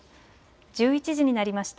１１時になりました。